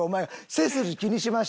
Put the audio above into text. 背筋気にしました。